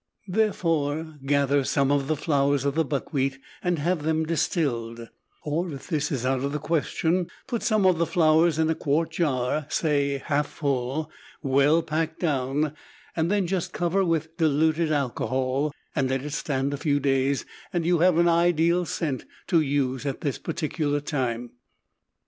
Therefore, gather some of the flowers of the buckwheat and have them distilled, or, if this is out of the question, put some of the flowers in a quart jar, say half full, well packed down, then just cover with diluted alcohol and let it stand a few days and you have an ideal scent to use at this particular time.